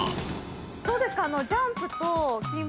どうですか？